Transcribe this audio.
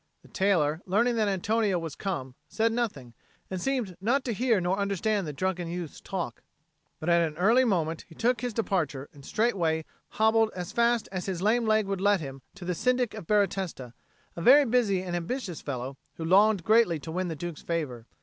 The tailor, learning that Antonio was come, said nothing, and seemed not to hear nor understand the drunken youth's talk; but at an early moment he took his departure and straightway hobbled as fast as his lame leg would let him to the Syndic of Baratesta, a very busy and ambitious fellow, who longed greatly to win the Duke's favour.